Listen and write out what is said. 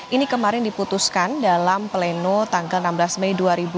ini kemarin diputuskan dalam pleno tanggal enam belas mei dua ribu dua puluh